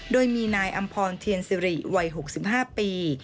โดยมีนายอำพรเทียนสิริวัย๖๕ปี